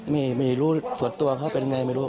ไม่รู้ส่วนตัวเขาเป็นยังไงไม่รู้